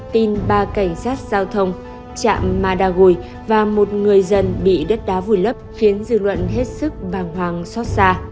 tin ba cảnh sát giao thông chạm madagui và một người dân bị đất đá vùi lấp khiến dư luận hết sức bàng hoàng xót xa